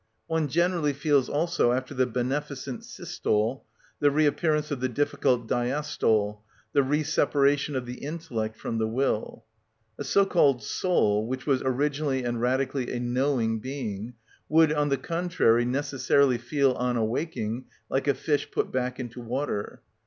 One generally feels also after the beneficent systole the reappearance of the difficult diastole, the reseparation of the intellect from the will. A so called soul, which was originally and radically a knowing being, would, on the contrary, necessarily feel on awaking like a fish put back into water.